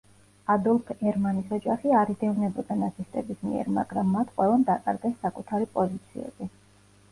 ადოლფ ერმანის ოჯახი არ იდევნებოდა ნაცისტების მიერ, მაგრამ მათ ყველამ დაკარგეს საკუთარი პოზიციები.